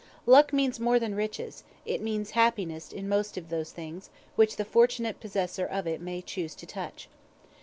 Luck means more than riches it means happiness in most of those things, which the fortunate possessor of it may choose to touch.